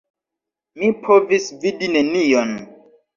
Mi povis vidi nenion.